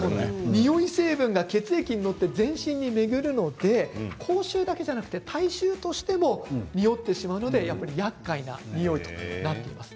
におい成分が血液に乗って全身に巡るので口臭だけではなく体臭としてもにおってしまうのでやっかいなにおいとなっています。